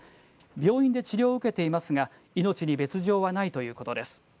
病院で治療を受けていますが、命に別状はないということです。